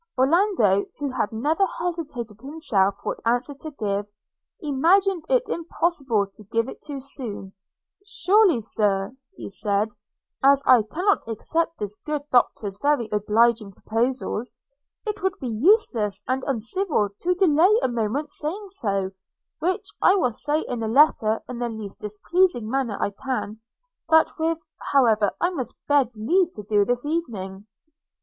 Orlando, who had never hesitated himself what answer to give, imagined it impossible to give it too soon. – 'Surely, Sir,' said he, 'as I cannot accept this good Doctor's very obliging proposals, it will be useless and uncivil to delay a moment saying so, which I will say in a letter in the least displeasing manner I can; but which, however, I must beg leave to do this evening.'